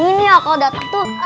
ini akal datuk tuh